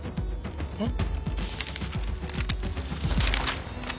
えっ？